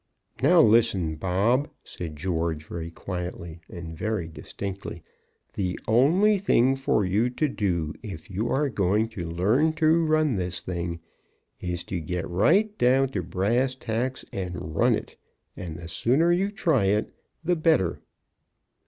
"Now, listen, Bob," said George, very quietly and very distinctly, "the only thing for you to do if you are going to learn to run this thing, is to get right down to brass tacks and run it, and the sooner you try it, the better."